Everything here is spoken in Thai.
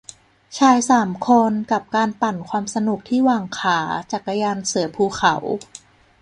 ชายสามคน กับการปั่นความสนุกที่หว่างขา จักรยานเสือภูเขา